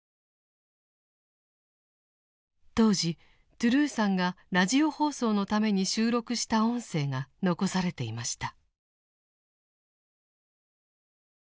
当時トゥルーさんがラジオ放送のために収録した音声が残されていました。